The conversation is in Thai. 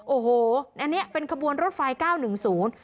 โอ้โหอันเนี้ยเป็นขบวนรถไฟเก้าหนึ่งศูนย์